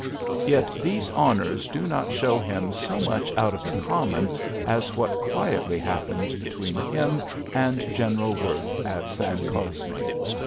Yet these honours do not show him so much out of the common as what quietly hap pened between him and (General "Worth at San Cosme.